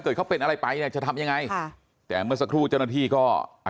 เกิดเขาเป็นอะไรไปจะทำยังไงแต่เมื่อสักครู่เจ้าหน้าที่ก็